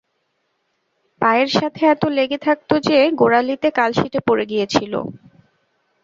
পায়ের সাথে এতো লেগে থাকতো যে গোড়ালিতে কালশিটে পড়ে গিয়েছিল।